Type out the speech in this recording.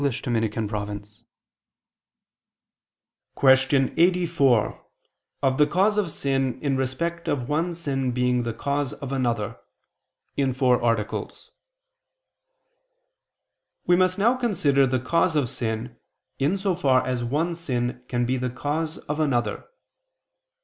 ________________________ QUESTION 84 OF THE CAUSE OF SIN, IN RESPECT OF ONE SIN BEING THE CAUSE OF ANOTHER (In Four Articles) We must now consider the cause of sin, in so far as one sin can be the cause of another.